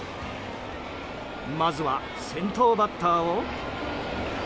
まずは先頭バッターを。